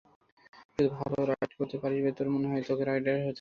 শুধু ভালো রাইড করতে পারিস বলে তোর মনে হয়, তোকে রাইডার করে দিবে?